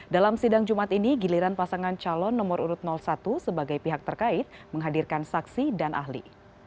dalam sidang jumat ini giliran pasangan calon nomor urut satu sebagai pihak terkait menghadirkan saksi dan ahli